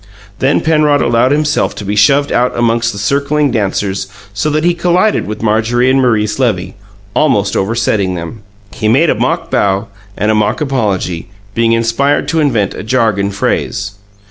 Then Penrod allowed himself to be shoved out among the circling dancers, so that he collided with Marjorie and Maurice Levy, almost oversetting them. He made a mock bow and a mock apology, being inspired to invent a jargon phrase.